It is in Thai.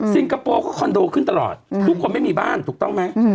คโปร์ก็คอนโดขึ้นตลอดทุกคนไม่มีบ้านถูกต้องไหม